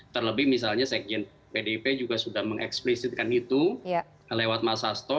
terlebih misalnya sekjen pdip juga sudah mengeksplisitkan itu lewat mas hasto